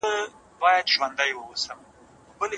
د مطالعې روح باید په ځوانانو کي پیدا کړو.